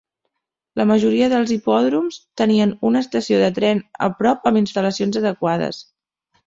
La majoria dels hipòdroms tenien una estació de tren a prop amb instal·lacions adequades.